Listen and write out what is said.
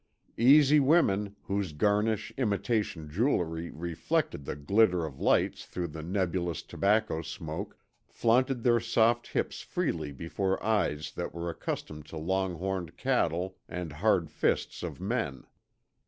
Easy women, whose garish, imitation jewelry reflected the glitter of lights through the nebulous tobacco smoke, flaunted their soft hips freely before eyes that were accustomed to longhorned cattle and hard fists of men.